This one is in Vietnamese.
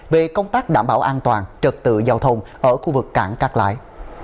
về công tác đảm bảo an toàn trật tựa giao thông ở khu vực cảng các lái